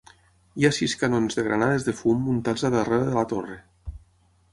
Hi ha sis canons de granades de fum muntats a darrera de la torre.